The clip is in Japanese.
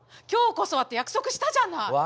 今日こそはって約束したじゃない！